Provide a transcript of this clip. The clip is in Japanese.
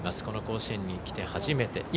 この甲子園に来て初めて。